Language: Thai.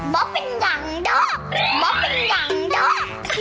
บ๊อบเป็นหลังดอก